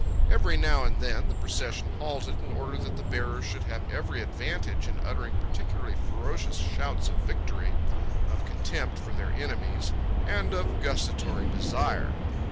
Every now and then the procession halted in order that the bearers should have every advantage in uttering particularly ferocious shouts of victory, of contempt for their enemies, and of gustatory desire.